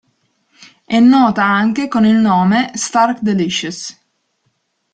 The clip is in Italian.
È nota anche con il nome "stark delicious".